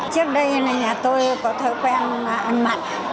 trước đây là nhà tôi có thói quen ăn mặn